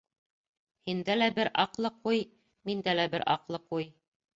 Һиндә лә бер аҡлы ҡуй, миндә лә бер аҡлы ҡуй;